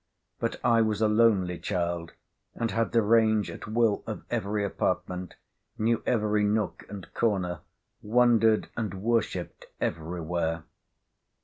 But I was a lonely child, and had the range at will of every apartment, knew every nook and corner, wondered and worshipped everywhere.